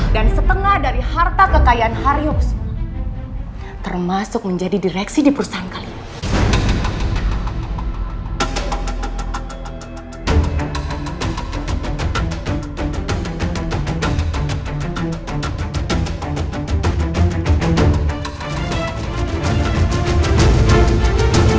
dan setengah dari harta kekayaan haryo semua termasuk menjadi direksi di perusahaan kalian